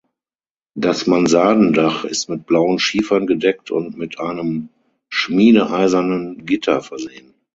Das Mansardendach ist mit blauen Schiefern gedeckt und mit einem schmiedeeisernen Gitter versehen.